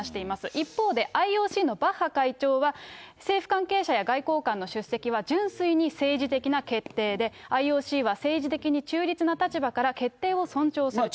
一方でＩＯＣのバッハ会長は、政府関係者や外交官の出席は純粋に政治的な決定で、ＩＯＣは政治的に中立な立場から、決定を尊重すると。